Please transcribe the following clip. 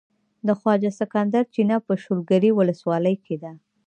د خواجه سکندر چينه په شولګرې ولسوالۍ کې ده.